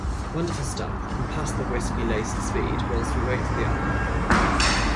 Wonderful stuff, and pass the whisky laced speed, whilst we wait for the album!